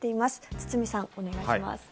堤さん、お願いします。